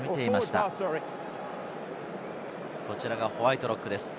こちらはホワイトロックです。